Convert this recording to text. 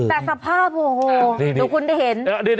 แต่สภาพโหดูคุณได้เห็น